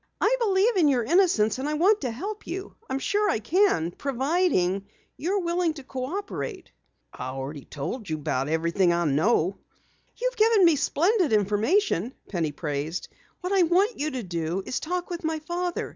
"I believe in your innocence, and I want to help you. I am sure I can, providing you are willing to cooperate." "I've already told you about everything I know." "You've given me splendid information," Penny praised. "What I want you to do is to talk with my father.